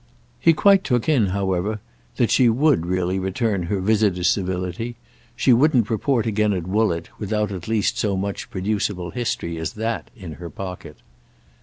He quite took in, however, that she would really return her visitor's civility: she wouldn't report again at Woollett without at least so much producible history as that in her pocket.